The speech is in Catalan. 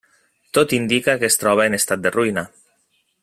Tot indica que es troba en estat de ruïna.